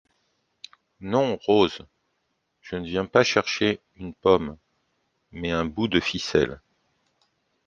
Non, Rose, je ne viens pas chercher une pomme, mais un bout de ficelle.